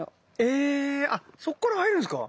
えそっから入るんすか？